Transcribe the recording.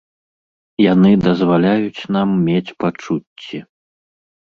Яны дазваляюць нам мець пачуцці.